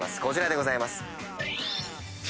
こちらでございます。